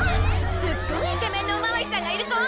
すっごいイケメンのおまわりさんがいる交番！